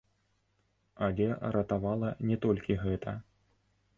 Але ратавала не толькі гэта.